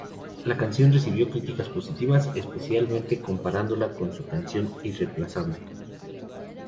La canción recibió críticas positivas, especialmente comparándola con su canción Irreplaceable.